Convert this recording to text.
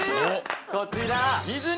こちら！え！